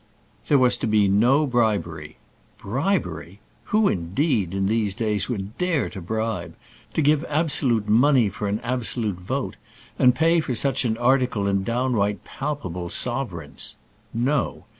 There was to be no bribery. Bribery! who, indeed, in these days would dare to bribe; to give absolute money for an absolute vote, and pay for such an article in downright palpable sovereigns? No.